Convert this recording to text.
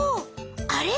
あれ？